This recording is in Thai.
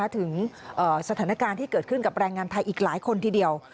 ถึงสถานการณ์ที่เกิดขึ้นกับแรงงานไทยอีกหลายคนทีเดียว